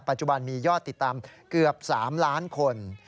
ปัจจุบันมียอดติดตามเกือบ๓ล้านคน